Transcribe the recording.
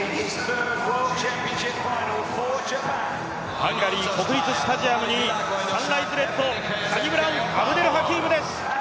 ハンガリー国立スタジアムにサンライズレッド、サニブラウン・アブデル・ハキームです。